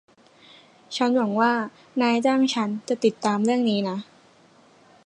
ฉันหวงัว่านายจ้างฉันจะติดตามเรื่องนี้นะ